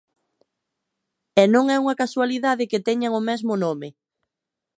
E non é unha casualidade que teñan o mesmo nome.